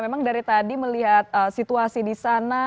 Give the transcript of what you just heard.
memang dari tadi melihat situasi di sana